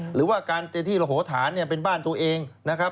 หรือว่าการเจที่ระโหฐานเนี่ยเป็นบ้านตัวเองนะครับ